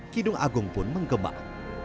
kidung agung pun menggembang